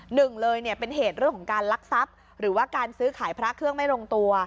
หนึ่งเลยเนี่ยเป็นเหตุเรื่องของการลักทรัพย์หรือว่าการซื้อขายพระเครื่องไม่ลงตัว